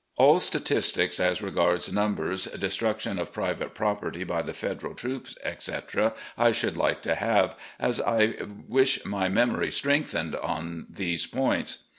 all statistics as regards numbers, destruction of private property by the Federal troops, etc., I should like to have, as I wish my memory strengthened on these points.